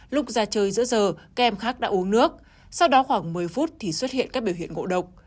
lúc ra chơi giữa giờ các em khác đã uống nước sau đó khoảng một mươi phút thì xuất hiện các biểu hiện ngộ độc